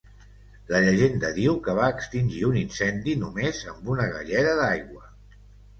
La llegenda diu que va extingir un incendi només amb una galleda d'aigua.